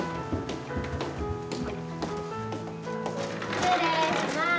失礼します。